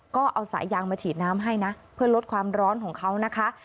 ก็เอาสายยางมาฉีดน้ำให้นะเพื่อลดความร้อนของเขานะคะ